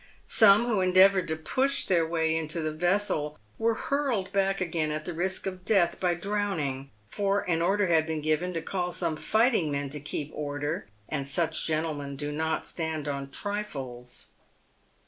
Some, who endeavoured to push their way into the vessel, were hurled back again at the risk of death by drowning, for an order had been given to call some fighting men to keep order, and such gentlemen do not stand on trifles.